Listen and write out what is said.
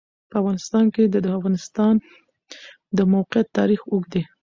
په افغانستان کې د د افغانستان د موقعیت تاریخ اوږد دی.